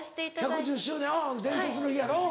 １１０周年「伝説の日」やろ。